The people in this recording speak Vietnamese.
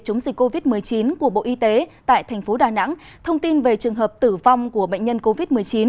chống dịch covid một mươi chín của bộ y tế tại thành phố đà nẵng thông tin về trường hợp tử vong của bệnh nhân covid một mươi chín